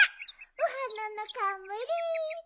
おはなのかんむりほら！